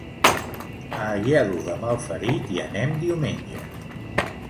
A Aielo de Malferit hi anem diumenge.